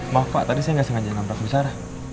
maaf pak tadi saya nggak sengaja nampak besar